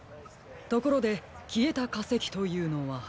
ところできえたかせきというのは？